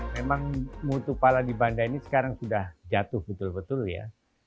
memang mutu pala di banda ini sekarang sudah jatuh betul betul ya